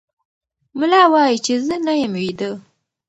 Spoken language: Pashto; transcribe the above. ملا وایي چې زه نه یم ویده.